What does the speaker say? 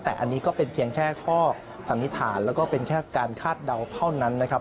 แต่อันนี้ก็เป็นเพียงแค่ข้อสันนิษฐานแล้วก็เป็นแค่การคาดเดาเท่านั้นนะครับ